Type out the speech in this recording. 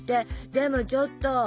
でもちょっと。